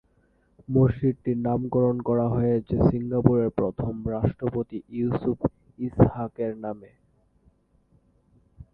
মসজিদটির নামকরণ করা হয়েছে সিঙ্গাপুরের প্রথম রাষ্ট্রপতি ইউসুফ ইসহাক এর নামে।